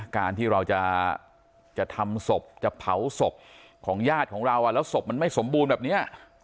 การที่เราจะทำศพจะเผาศพของญาติของเราแล้วศพมันไม่สมบูรณ์แบบนี้